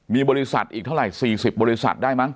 มีบริษัทอีกเท่าไหร่๔๐บริษัทได้มั